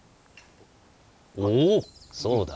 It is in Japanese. おぉそうだ。